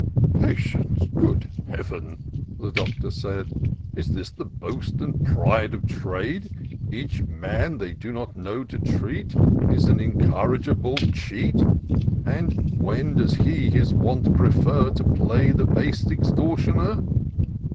" Patience, good Heaven !" the Doctor said ;" Is this the boast and pride of trade ?— Each man, they do not know, to treat As an incorrigible cheat ; And, when he does his want prefer. To play the base extortioner